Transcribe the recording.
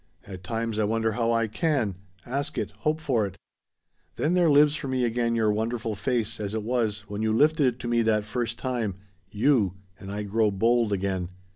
At times I wonder how I can ask it, hope for it. Then there lives for me again your wonderful face as it was when you lifted it to me that first time. You and I grow bold again.